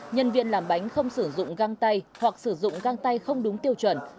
nhân viên làm bánh không sử dụng găng tay hoặc sử dụng găng tay không đúng tiêu chuẩn